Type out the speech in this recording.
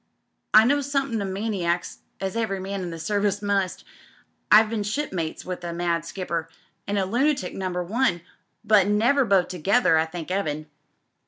I know somethin' o' maniacs, „ eve^ 1, in d» Service muBt I've bee. ^po».e, with a mad skipper — an' a lunatic Number One, but never both together I thank 'Eaven.